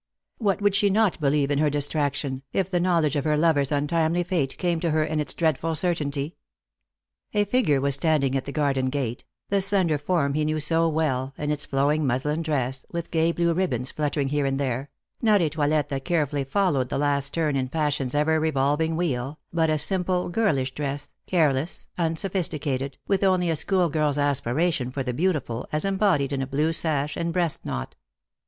What would she not believe in her distraction, if the knowledge of her lover's untimely fate came to her in its dreadful certainty ? A figure was standing at the garden gate — the slender form he knew so well, in its flowing muslin dress, with gay blue ribbons fluttering here and there — not a toilet that carefully followed the last turn in Fashion's ever revolving wheel, but a simple girlish dress, careless, unsophisticated, with only a school girl's aspiration for the beautiful as embodied in a blue sash and breast knot.